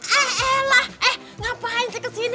eh elah eh ngapain sih kesini